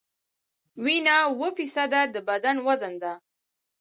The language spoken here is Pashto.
وینه اووه فیصده د بدن وزن ده.